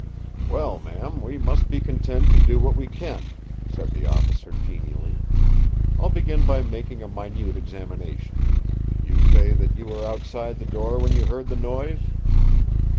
"Well, ma'am, we must be content to do what we can," said the officer genially. "I'll begin by making a minute examination. You say that you were outside the door when you heard the noise?"